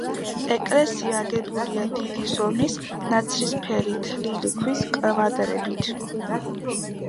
ეკლესია აგებულია დიდი ზომის, ნაცრისფერი თლილი ქვის კვადრებით.